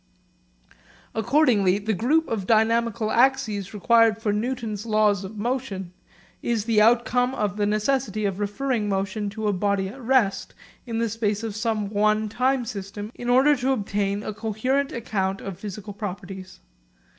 Accordingly the group of dynamical axes required for Newton's Laws of Motion is the outcome of the necessity of referring motion to a body at rest in the space of some one time system in order to obtain a coherent account of physical properties.